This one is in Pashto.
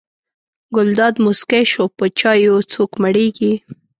ګلداد موسکی شو: په چایو څوک مړېږي.